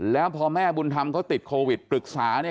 แล้วพอแม่บุญธรรมเขาติดโควิดปรึกษาเนี่ย